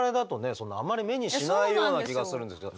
そんなあんまり目にしないような気がするんですけど。